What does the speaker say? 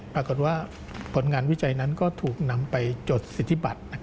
ปรากฏว่าผลงานวิจัยนั้นก็ถูกนำไปจดสิทธิบัติ